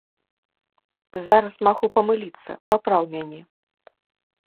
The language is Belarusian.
Зараз магу памыліцца, папраў мяне.